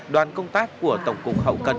đoàn công tác của tổng cục hậu cần